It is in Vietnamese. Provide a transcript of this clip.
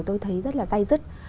tôi thấy rất là dây dứt